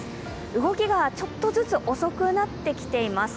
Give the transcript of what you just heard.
動きがちょっとずつ遅くなってきています。